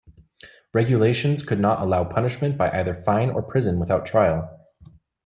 Regulations could not allow punishment by either fine or prison without trial.